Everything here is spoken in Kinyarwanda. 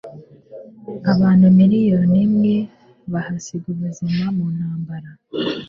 Abantu miliyoni imwe bahasize ubuzima mu ntambara